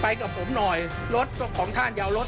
ภาษาอังกฤษ